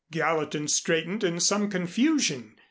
Gallatin straightened in some confusion.